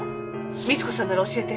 美津子さんなら教えて。